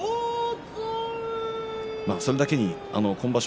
それだけに今場所